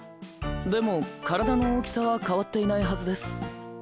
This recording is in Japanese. でも体の大きさは変わっていないはずです。